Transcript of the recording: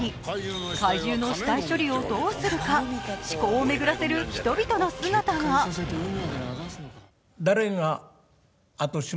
怪獣の死体処理をどうするか、思考を巡らせる人々の姿が。